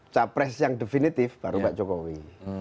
capres yang definitif baru pak jokowi